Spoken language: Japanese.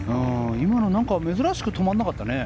今の、珍しく止まらなかったね。